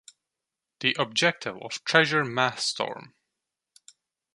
The objective of Treasure MathStorm!